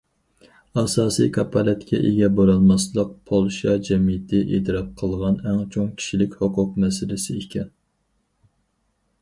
ئاساسى كاپالەتكە ئىگە بولالماسلىق پولشا جەمئىيىتى ئېتىراپ قىلغان ئەڭ چوڭ كىشىلىك ھوقۇق مەسىلىسى ئىكەن.